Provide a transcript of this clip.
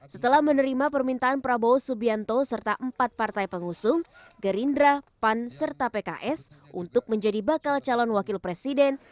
setelah menerima permintaan prabowo subianto serta empat partai pengusung gerindra pan serta pks untuk menjadi bakal calon wakil presiden